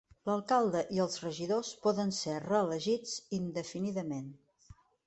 L'alcalde i els regidors poden ser reelegits indefinidament.